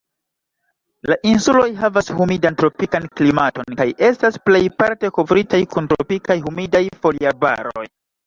La insuloj havas humidan tropikan klimaton, kaj estas plejparte kovritaj kun tropikaj humidaj foliarbaroj.